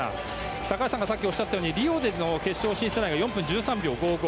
高橋さんがさっきおっしゃったようにリオでの決勝進出が４分１３秒５５。